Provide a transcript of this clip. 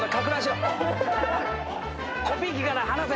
コピー機から離せ。